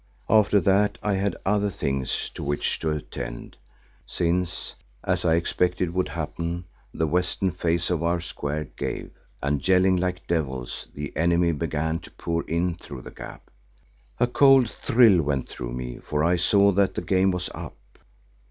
After that I had other things to which to attend, since, as I expected would happen, the western face of our square gave, and yelling like devils, the enemy began to pour in through the gap. A cold thrill went through me for I saw that the game was up.